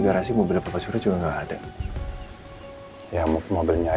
karena dia tidak ada dansi dari rumahannya